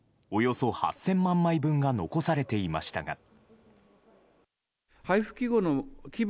およそ８０００万枚分が残されていましたが。